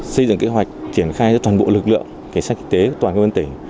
xây dựng kế hoạch triển khai cho toàn bộ lực lượng kỳ sách y tế toàn cơ quan tỉnh